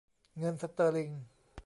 เงินสเตอร์ลิง